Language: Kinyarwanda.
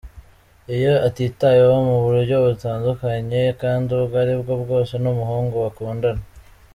Iyo atitaweho mu buryo butandukanye kandi ubwo aribwo bwose n’umuhungu bakundana.